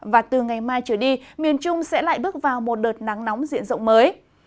và từ ngày mai trở đi miền trung sẽ lại bước vào một đợt nắng nóng diện rộng mới